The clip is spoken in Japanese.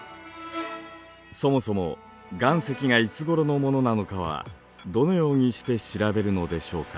そもそも岩石がいつごろのものなのかはどのようにして調べるのでしょうか？